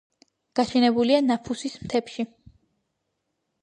გაშენებულია ნაფუსის მთებში.